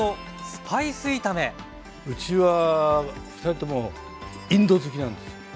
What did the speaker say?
うちは二人ともインド好きなんですよ。